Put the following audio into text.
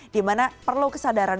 dimana perlu kesadaran